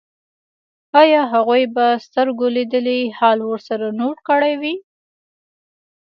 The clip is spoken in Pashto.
ایا هغوی به سترګو لیدلی حال ورسره نوټ کړی وي